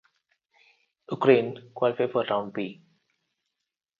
Ukraine qualify for Round B.